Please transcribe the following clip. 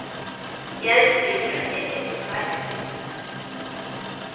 Yanzu Bitrus ya ke sumbatar Hadiza.